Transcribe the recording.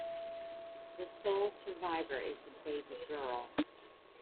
The sole survivor is a baby girl.